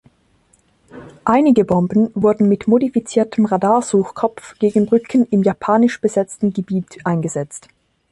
Einige Bomben wurden mit modifiziertem Radarsuchkopf gegen Brücken im japanisch-besetztem Gebiet eingesetzt.